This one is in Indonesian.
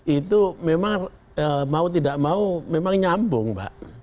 itu memang mau tidak mau memang nyambung mbak